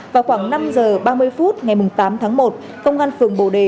vào khoảng năm giờ ba mươi phút ngày tám tháng một công an phường bồ đề